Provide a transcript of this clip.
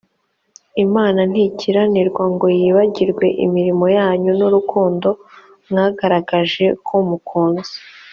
imana ntikiranirwa ngo yibagirwe imirimo yanyu n urukundo mwagaragaje ko mukunze